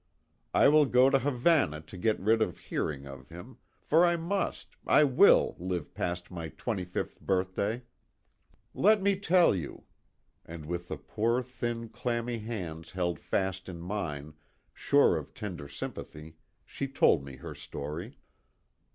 I will go to Havana to get rid of hearing of him, for I must I will live past my twenty fifth birthday. "Let me tell you" and with the poor, thin clammy hands held fast in mine, sure of tender sympathy, she told me her story.